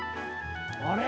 あれ？